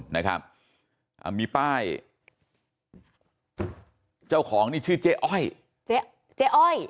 นะครับอ่ามีป้ายเจ้าของนี่ชื่อเจ๊อ้อยเจ๊อ้อย